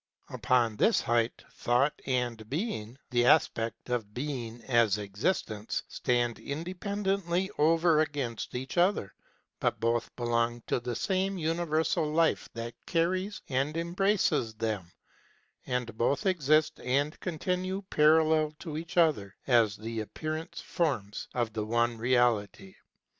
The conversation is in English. Upon this height Thought and Being [the aspect of Being as Existence] stand independently over against each other, but both belong to the same Universal Life that carries and em braces them; and both exist and continue parallel to each other as the Appearance forms of the one Reality.